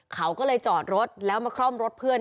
เขาก็เลยจอดรถแล้วมาคร่อมรถเพื่อน